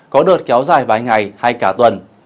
có đợt kéo dài vài ngày hay cả tuần